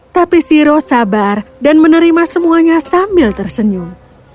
tapi siro sabar dan menerima semuanya sambil tersenyum